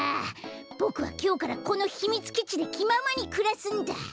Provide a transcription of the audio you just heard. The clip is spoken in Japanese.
ボクはきょうからこのひみつきちできままにくらすんだ！